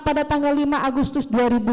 pada tanggal lima agustus dua ribu dua puluh